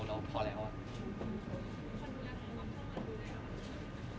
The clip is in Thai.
คนดูแลของน้องพ่อมันดูแลหรอ